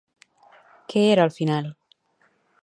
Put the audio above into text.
Què era al final?